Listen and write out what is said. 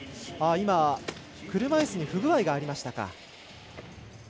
車いすに不具合がありましたか。